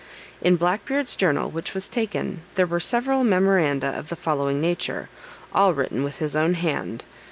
In Black Beard's journal, which was taken, there were several memoranda of the following nature, all written with his own hand.